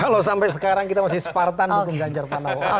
kalau sampai sekarang kita masih spartan dukung ganjar pranowo